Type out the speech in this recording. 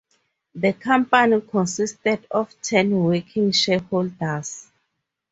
The company consisted of ten working shareholders.